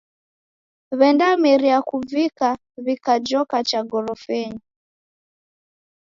W'endameria kuvika, w'ikajoka cha gorofenyi.